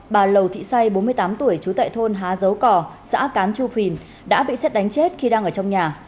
bà lầu thị say bốn mươi tám tuổi trú tại thôn há dấu cò xã cán chu phìn đã bị xét đánh chết khi đang ở trong nhà